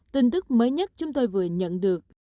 tin tức mới nhất chúng tôi vừa nhận được